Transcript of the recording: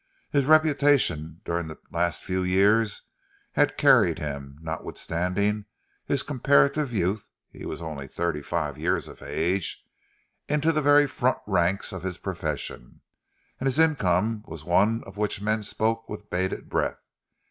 His reputation during the last few years had carried him, notwithstanding his comparative youth he was only thirty five years of age into the very front ranks of his profession, and his income was one of which men spoke with bated breath.